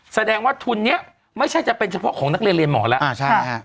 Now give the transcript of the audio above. แสดงว่าทุนนี้ไม่ใช่จะเป็นเฉพาะของนักเรียนหมอแล้ว